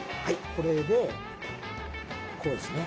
これでこうですね。